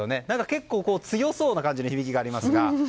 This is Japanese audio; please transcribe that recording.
結構、強そうな感じの響きがありますが。